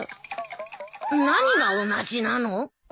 何が同じなの？